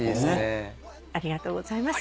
ありがとうございます。